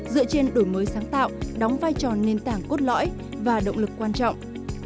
dựa trên đổi mới sáng tạo đóng vai trò nền tảng cốt lõi và động lực quan trọng